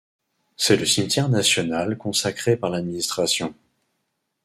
C'est le cimetière national consacré par l'administration.